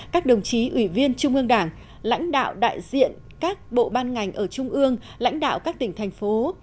các đồng chí ủy viên trung ương đảng lãnh đạo đại diện các bộ ban ngành ở trung ương lãnh đạo các tỉnh thành phố